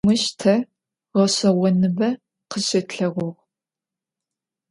Mış te ğeş'eğonıbe khışıtlheğuğ.